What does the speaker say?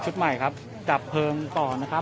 มันก็ไม่ต่างจากที่นี่นะครับ